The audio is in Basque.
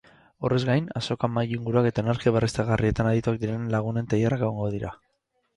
Horrez gain azokan mahainguruak eta energia berriztagarrietan adituak direnen lagunen tailerrak egongo dira.